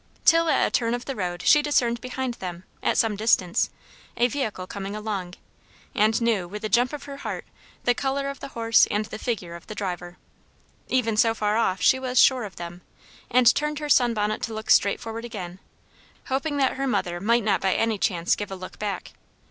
Till at a turn of the road she discerned behind them, at some distance, a vehicle coming along, and knew, with a jump of her heart, the colour of the horse and the figure of the driver. Even so far off she was sure of them, and turned her sun bonnet to look straight forward again, hoping that her mother might not by any chance give a look back.